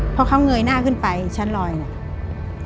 พอเขาเงยหน้าขึ้นไปชั้นลอยเนี่ย